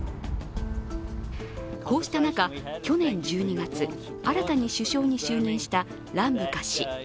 こうした中、去年１２月新たに首相に就任したランブカ氏。